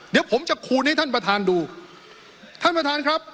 เดี๋ยวผมจะคูณให้ท่านประธานดูท่านประธานครับ